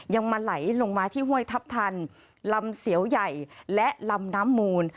ยังมาไหลลงมาที่ห้วยทัพทันลำเสียวใหญ่และลำน้ำมูล